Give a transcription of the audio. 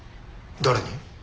誰に？